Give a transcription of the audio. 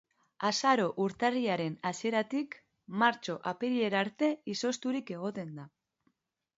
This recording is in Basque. Azaro-urtarrilaren hasieratik martxo-apirilera arte izozturik egoten da.